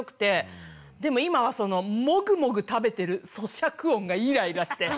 でも今はそのもぐもぐ食べてるそしゃく音がイライラして。